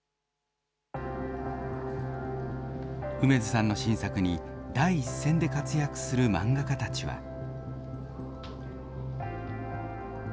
楳図さんの新作に第一線で活躍する漫画家たちは。